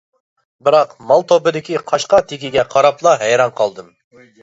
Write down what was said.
بىراق مال توپىدىكى قاشقا تېكىگە قاراپلا ھەيران قالدىم.